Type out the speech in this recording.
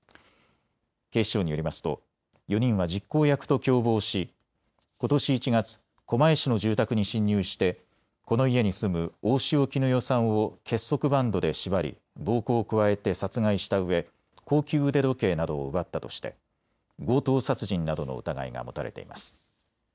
警視庁によりますと４人は実行役と共謀しことし１月、狛江市の住宅に侵入してこの家に住む大塩衣與さんを結束バンドで縛り暴行を加えて殺害したうえ高級腕時計などを奪ったとして強盗殺人などの疑いが持たれています。